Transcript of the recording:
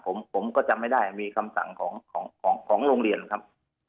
ผมก็จำไม่ได้มีคำสั่งของของโรงเรียนครับ